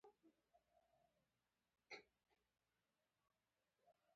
دوی هم حقوق لري